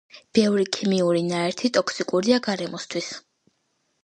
ბევრი ქიმიური ნაერთი ტოქსიკურია გარემოსთვის